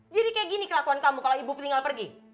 jadi kayak gini kelakuan kamu kalo ibu tinggal pergi